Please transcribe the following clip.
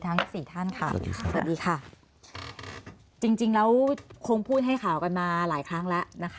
ทั้งสี่ท่านค่ะสวัสดีค่ะจริงจริงแล้วคงพูดให้ข่าวกันมาหลายครั้งแล้วนะคะ